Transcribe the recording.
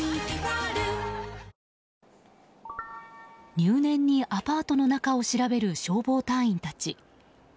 入念にアパートの中を調べる消防隊員たち。